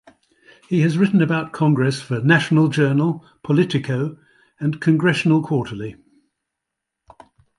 He has written about Congress for "National Journal", "Politico" and "Congressional Quarterly".